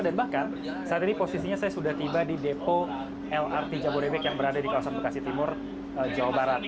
dan bahkan saat ini posisinya saya sudah tiba di depo lrt jabodebek yang berada di kawasan bekasi timur jawa barat